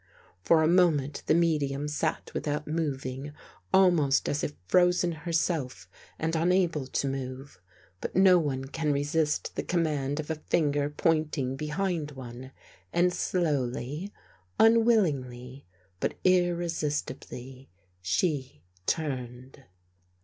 For a moment the medium sat without moving, almost as if frozen herself and unable to move. 117 THE GHOST GIRL But no one can resist the command of a finger point ing behind one, and slowly, unwillingly, but irre sistibly, she turned.